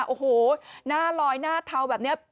โอ้โหหน้าลอยหน้าเทาแบบนี้